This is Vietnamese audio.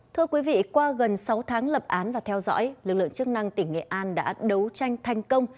thưa quý vị qua gần sáu tháng lập án và theo dõi lực lượng chức năng tỉnh nghệ an đã đấu tranh thành công